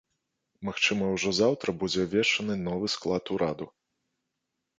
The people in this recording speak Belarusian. Магчыма, ужо заўтра будзе абвешчаны новы склад ураду.